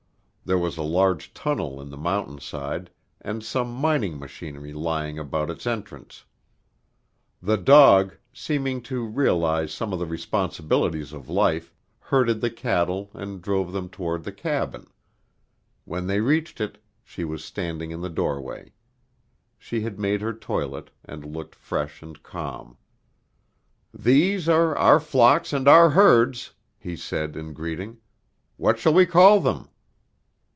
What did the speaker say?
There was a large tunnel in the mountain side, and some mining machinery lying about its entrance. The dog, seeming to realize some of the responsibilities of life, herded the cattle and drove them toward the cabin. When they reached it, she was standing in the doorway. She had made her toilet, and looked fresh and calm. "These are our flocks and our herds," he said in greeting. "What shall we call them?"